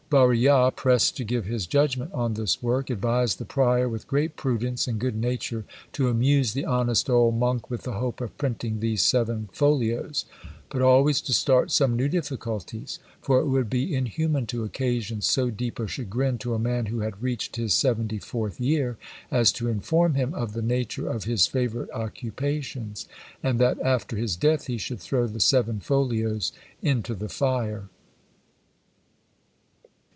Varillas, pressed to give his judgment on this work, advised the prior with great prudence and good nature to amuse the honest old monk with the hope of printing these seven folios, but always to start some new difficulties; for it would be inhuman to occasion so deep a chagrin to a man who had reached his seventy fourth year, as to inform him of the nature of his favourite occupations; and that after his death he should throw the seven folios into the fire.